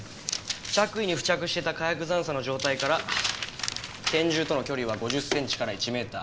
着衣に付着していた火薬残渣の状態から拳銃との距離は５０センチから１メーター。